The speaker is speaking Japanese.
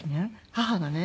母がね